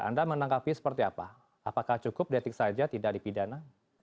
anda menangkapi seperti apa apakah cukup detik saja tidak dipidana